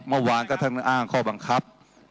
เมื่อวานก็ท่านอ้างข้อบังคับ